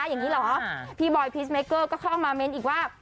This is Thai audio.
อย่างนี้เหรอพี่บอยพีชเมเกอร์ก็เข้ามาเมนต์อีกว่า